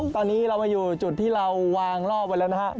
ตอนนี้เรามาอยู่จุดที่เราวางรอบไว้แล้วนะฮะ